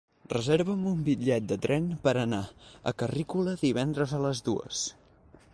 Reserva'm un bitllet de tren per anar a Carrícola divendres a les dues.